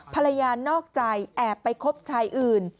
ภรรยานนอกใจแอบไปครบชายอื่น